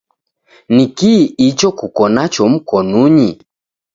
Nikii icho kuko nacho mkonunyi?